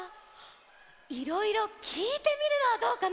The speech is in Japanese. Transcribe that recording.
いろいろきいてみるのはどうかな？